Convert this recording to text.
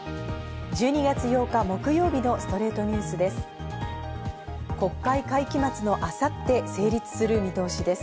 １２月８日、木曜日の『ストレイトニュース』です。